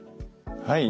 はい。